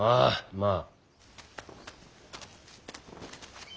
まあ。